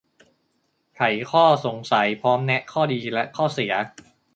ไขข้อสงสัย พร้อมแนะข้อดี และข้อเสีย